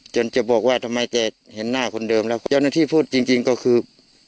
จะบอกว่าทำไมแกเห็นหน้าคนเดิมแล้วเจ้าหน้าที่พูดจริงจริงก็คือ